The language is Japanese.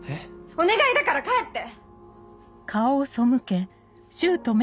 お願いだから帰って！